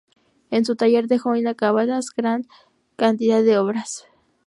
En su taller dejó inacabadas gran cantidad de obras.